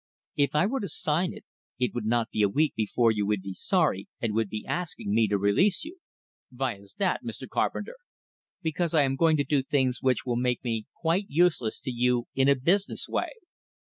"If I were to sign it, it would not be a week before you would be sorry, and would be asking me to release you." "Vy is dat, Mr. Carpenter?" "Because I am going to do things which will make me quite useless to you in a business way."